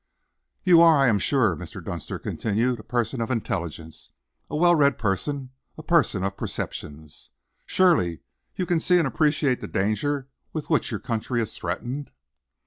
"You are, I am sure," Mr. Dunster continued, "a person of intelligence, a well read person, a person of perceptions. Surely you can see and appreciate the danger with which your country is threatened?"